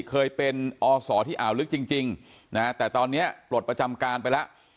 เคยเป็นอศที่อ่าวลึกจริงนะฮะแต่ตอนนี้ปลดประจำการไปแล้ว